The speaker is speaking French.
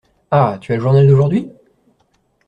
Ah ! tu as le journal d’aujourd’hui ?